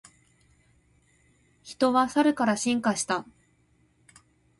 人はサルから進化した